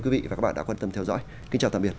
quý vị và các bạn đã quan tâm theo dõi kính chào tạm biệt